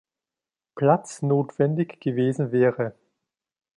Platz notwendig gewesen wäre.